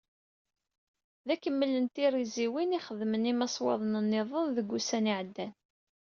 D akemmel n tirziwin i xedmen yimaswaḍen-nniḍen deg wussan iɛeddan.